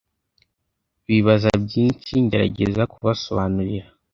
bibaza byinshi ngerageza kubasobanurira